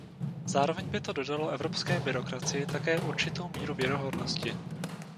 Zároveň by to dodalo evropské byrokracii také určitou míru věrohodnosti.